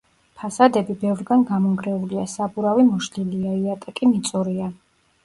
ფასადები ბევრგან გამონგრეულია, საბურავი მოშლილია, იატაკი მიწურია.